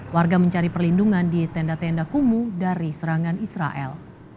warga mencari perlindungan di tenda tenda kumuh dari serangan israel